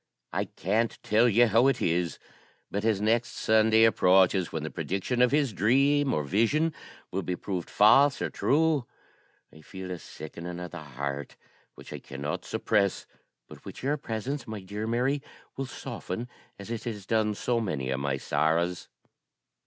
I can't tell you how it is, but as next Sunday approaches, when the prediction of his dream, or vision, will be proved false or true, I feel a sickening of the heart, which I cannot suppress, but which your presence, my dear Mary, will soften, as it has done so many of my sorrows.